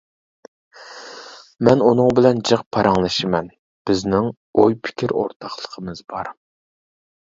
مەن ئۇنىڭ بىلەن جىق پاراڭلىشىمەن ، بىزنىڭ ئوي پىكىر ئورتاقلىقىمىز بار.